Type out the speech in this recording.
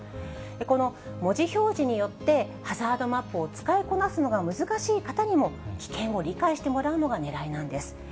この文字表示によって、ハザードマップを使いこなすのが難しい方にも、危険を理解してもらうのがねらいなんです。